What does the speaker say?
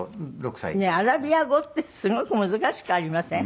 アラビア語ってすごく難しくありません？